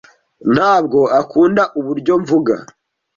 ntabwo akunda uburyo mvuga.